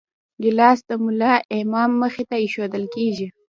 ګیلاس د ملا امام مخې ته ایښوول کېږي.